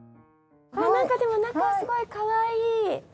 なんかでも中すごいかわいい。